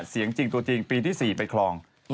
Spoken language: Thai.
จริงตัวจริงปีที่๔ไปคลอง